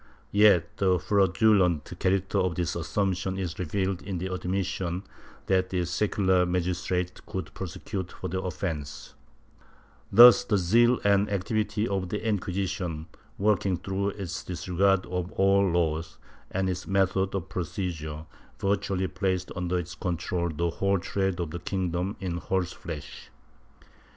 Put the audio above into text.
Yet the fraudulent character of this assumption is revealed in the admission that the secular magistrates could prosecute for the offence/ Thus the zeal and activity of the Inquisition, working through its disregard of all laws, and its methods of procedure, virtually placed under its control the whole trade of the kingdom in horse flesh.